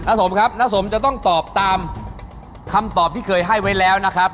สมครับน้าสมจะต้องตอบตามคำตอบที่เคยให้ไว้แล้วนะครับ